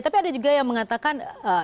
tapi ada juga yang mengatakan